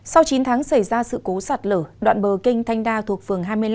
sau chín tháng xảy ra sự cố sạt lở đoạn bờ kinh thanh đa thuộc phường hai mươi năm